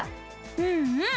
うんうん！